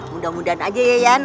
mudah mudahan aja yan